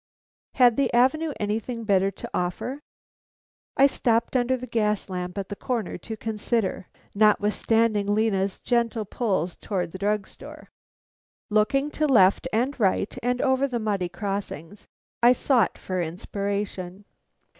Had the avenue anything better to offer? I stopped under the gas lamp at the corner to consider, notwithstanding Lena's gentle pull towards the drug store. Looking to left and right and over the muddy crossings, I sought for inspiration.